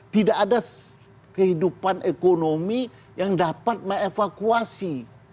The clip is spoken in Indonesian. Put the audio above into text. tidak ada kehidupan ekonomi yang dapat me evakuasi